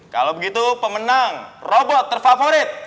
kalau begitu pemenang robot terfavorit